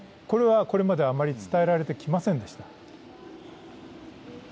これはこれまであまり伝えられてきませんでした。